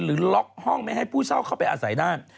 หรือล็อกห้องไม่ให้ผู้เช่าเข้าไปอาศัยด้าน